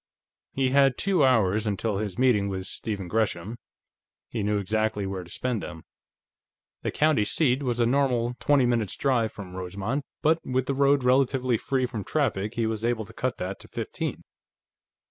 He had two hours until his meeting with Stephen Gresham; he knew exactly where to spend them. The county seat was a normal twenty minutes' drive from Rosemont, but with the road relatively free from traffic he was able to cut that to fifteen.